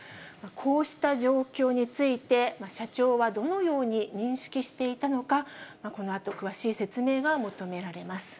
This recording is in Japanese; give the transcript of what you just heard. こうした状況について、社長はどのように認識していたのか、このあと詳しい説明が求められます。